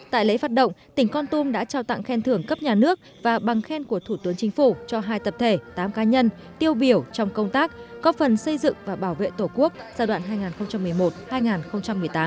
tại lễ phát động tỉnh con tum đã trao tặng khen thưởng cấp nhà nước và bằng khen của thủ tướng chính phủ cho hai tập thể tám cá nhân tiêu biểu trong công tác có phần xây dựng và bảo vệ tổ quốc giai đoạn hai nghìn một mươi một hai nghìn một mươi tám